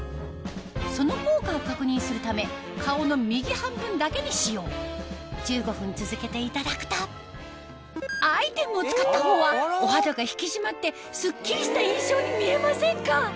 その効果を確認するため顔の右半分だけに使用１５分続けていただくとアイテムを使ったほうはお肌が引き締まってスッキリした印象に見えませんか？